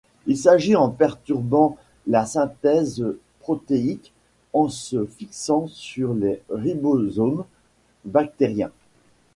Il agit en perturbant la synthèse protéique en se fixant dans les ribosomes bactériens.